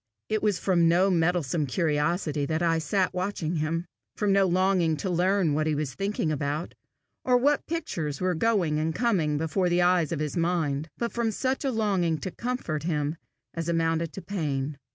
It was from no meddlesome curiosity that I sat watching him, from no longing to learn what he was thinking about, or what pictures were going and coming before the eyes of his mind, but from such a longing to comfort him as amounted to pain.